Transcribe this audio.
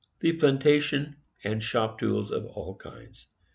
the plantation and shop tools of all kinds.